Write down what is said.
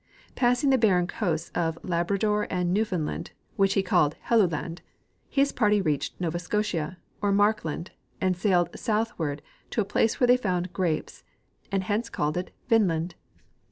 Passing the barren coasts of Labrador and NcAvfoundland, Avhich he called Helluland, his party reached Nova Scotia, or Markland, and sailed southAvard to a place Avhere the}'' found grapes, and hence called it Vinelancl.